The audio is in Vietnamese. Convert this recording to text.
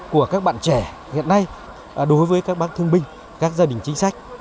của các bạn trẻ hiện nay đối với các bác thương binh các gia đình chính sách